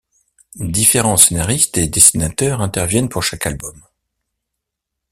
Différents scénaristes et dessinateurs interviennent pour chaque album.